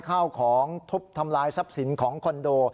ข้าวของทุบทำลายทรัพย์สินของคอนโด